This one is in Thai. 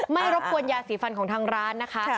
รบกวนยาสีฟันของทางร้านนะคะ